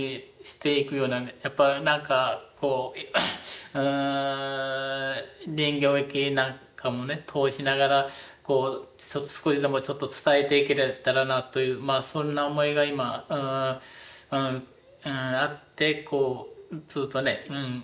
やっぱりなんかこう人形劇なんかもね通しながらこう少しでもちょっと伝えていけたらというそんな思いが今あってこうずっとね。